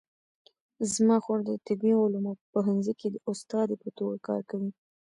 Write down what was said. زما خور د طبي علومو په پوهنځي کې د استادې په توګه کار کوي